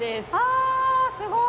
あすごい。